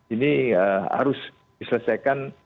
ini harus diselesaikan